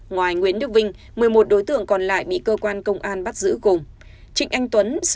ngoài nguyễn đức vinh một mươi một đối tượng còn lại bị cơ quan công an bắt giữ cùng